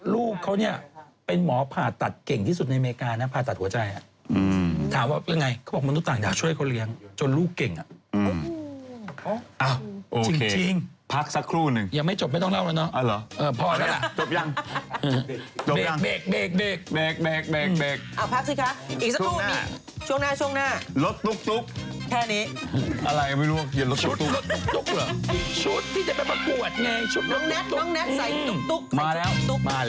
ลูกเขาเนี่ยเป็นหมอผ่าตัดเก่งที่สุดในอเมริกานะผ่าตัดหัวใจอ่ะอืมถามว่าเป็นยังไงเขาบอกมนุษย์ต่างดาวช่วยเขาเลี้ยงจนลูกเก่งอ่ะอืมอ้าวโอเคจริงพักสักครู่นึงยังไม่จบไม่ต้องเล่าแล้วเนอะอ้าวเหรอพอแล้วล่ะจบยังจบยังเบก